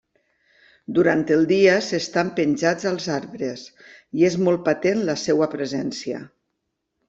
Durant el dia s'estan penjats als arbres i és molt patent la seva presència.